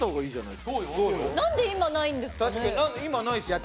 なんで今ないんですかね？